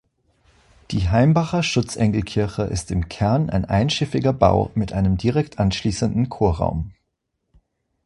Die Heimbacher Schutzengelkirche ist im Kern ein einschiffiger Bau mit einem direkt anschließenden Chorraum.